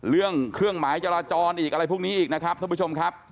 เรื่องเครื่องหมายจราจรอีกอะไรพวกนี้อีกนะครับท่านผู้ชมครับ